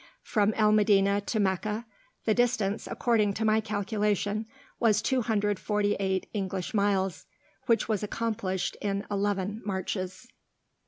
From El Medinah to Meccah the distance, according to my calculation, was 248 English miles, which was accomplished in eleven marches.